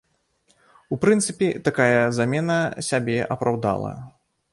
У прынцыпе, такая замена сябе апраўдала.